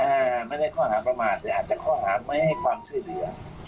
ไม่ได้ข้อหาประมาทแต่อาจจะข้อหาไม่ให้ความช่วยเหลือ